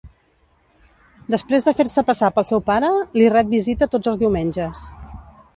Després de fer-se passar pel seu pare, li ret visita tots els diumenges.